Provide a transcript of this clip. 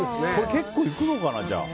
結構、いくのかな。